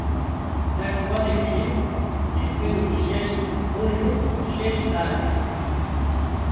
Her salek jî sê sed û şêst roj û şeş seat e.